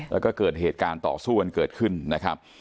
แล้วก็เกิดเหตุการณ์ต่อสู้กันเกิดขึ้นนะครับ